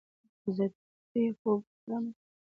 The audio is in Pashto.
سوځېدنه په يخو اوبو آرام کړئ.